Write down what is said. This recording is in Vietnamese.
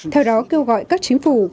theo đó kêu gọi các chính phủ